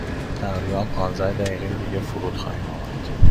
تا تقریبا پانزده دقیقه دیگر فرود خواهیم آمد.